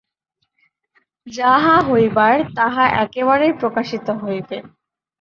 যাহা হইবার তাহা একেবারেই প্রকাশিত হইবে।